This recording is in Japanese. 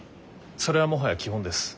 それはもはや基本です。